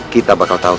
kita bakal tahu